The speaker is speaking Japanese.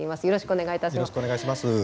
よろしくお願いします。